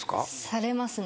されますね